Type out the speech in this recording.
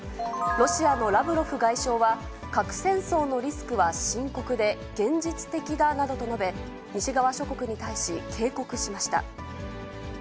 ロシアのラブロフ外相は核戦争のリスクは深刻で現実的だなどと述べ、西側諸国に対し、警告しました。